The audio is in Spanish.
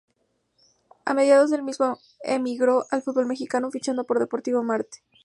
A mediados del mismo emigró al fútbol mexicano, fichando por Deportivo Marte.